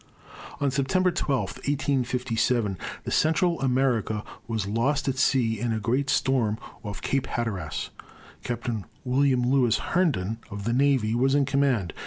On September 12, 1857, the Central America was lost at sea in a great storm off Cape Hatteras. Captain William Lewis Herndon, of the navy, was in command.